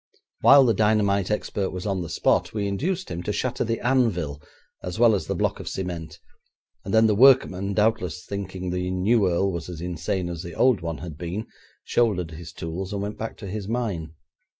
While the dynamite expert was on the spot, we induced him to shatter the anvil as well as the block of cement, and then the workman, doubtless thinking the new earl was as insane as the old one had been, shouldered his tools, and went back to his mine.